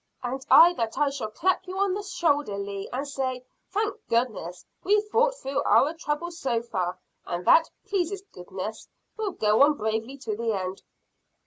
"And I that I shall clap you on the shoulder, Lee, and say, Thank goodness, we've fought through our troubles so far, and that, please goodness, we'll go on bravely to the end."